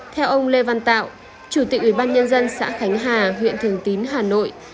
theo ông lê văn tạo chủ tịch ủy ban nhân dân xã khánh hà huyện thường tín hà nội